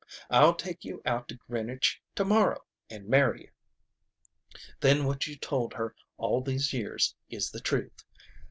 I'll take you out to Greenwich to morrow and marry you. Then what you've told her all these years is the truth.